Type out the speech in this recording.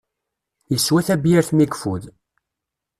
Yeswa tabyirt mi yefud.